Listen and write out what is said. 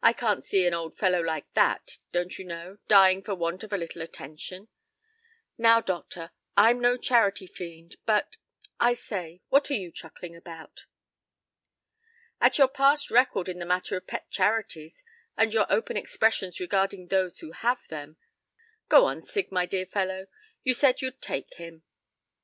I can't see an old fellow like that, don't you know, dying for want of a little attention. Now, doctor, I'm no charity fiend, but I say, what are you chuckling about?" "At your past record in the matter of pet charities, and your open expressions regarding those who have them. Go on, Sig, my dear fellow. You said you'd take him."